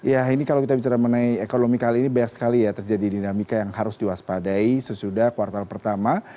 ya ini kalau kita bicara mengenai ekonomi kali ini banyak sekali ya terjadi dinamika yang harus diwaspadai sesudah kuartal pertama